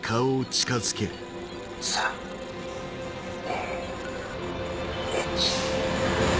３・２・１。